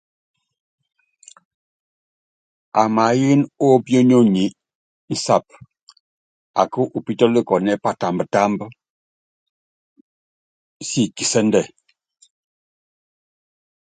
Amaáyɛ́n ópḭo̰nyonyi insab aká upítɔ́likɔ́nɛ́ patamb támb sik kisɛ́ndɛ.